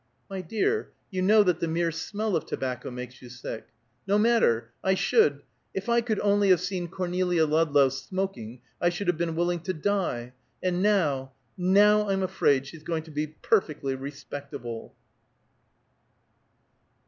"My dear, you know that the mere smell of tobacco makes you sick!" "No matter, I should if I could only have seen Cornelia Ludlow smoking I should have been willing to die. And now now, I'm afraid she's going to be perfectly respectable!"